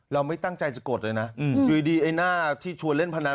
เราไม่ตั้งใจจะกดเลยนะอยู่ดีไอ้หน้าที่ชวนเล่นพนัน